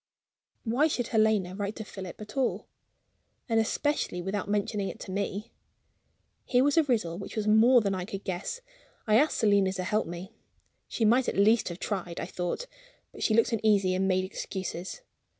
Why should Helena write to Philip at all and especially without mentioning it to me? Here was a riddle which was more than I could guess. I asked Selina to help me. She might at least have tried, I thought; but she looked uneasy, and made excuses.